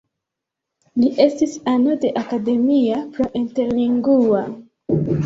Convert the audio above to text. Li estis ano de Academia pro Interlingua.